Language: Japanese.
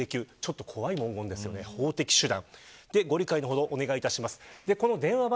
ちょっと怖い文言ですよね法的手段。